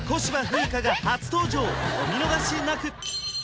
風花が初登場お見逃しなく！